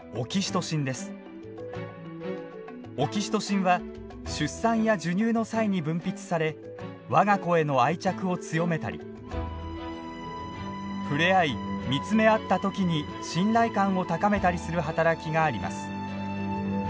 オキシトシンは出産や授乳の際に分泌され我が子への愛着を強めたり触れ合い見つめ合った時に信頼感を高めたりする働きがあります。